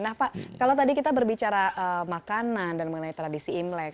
nah pak kalau tadi kita berbicara makanan dan mengenai tradisi imlek